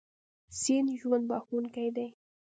سیند ژوند بښونکی دی.